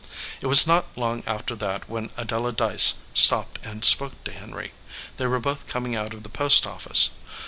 It was not long after that when Adela Dyce stopped and spoke to Henry. They were both coming out of the post office.